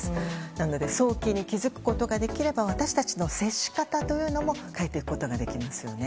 なので早期に気づくことができれば私たちの接し方というのも変えていくことができますよね。